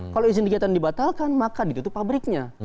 kalau izin kegiatan dibatalkan maka ditutup pabriknya